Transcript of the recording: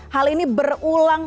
hal ini berulang